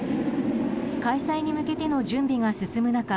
開催に向けての準備が進む中